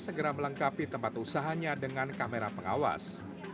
segera melengkapi tempat usahanya dengan kamera pengawas